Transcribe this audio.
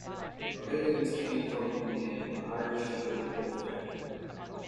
O'Higgins came from an Irish political family.